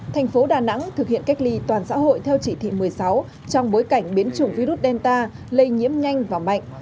thành phố đà nẵng thực hiện cách ly toàn xã hội theo chỉ thị một mươi sáu trong bối cảnh biến chủng virus đen ta lây nhiễm nhanh và mạnh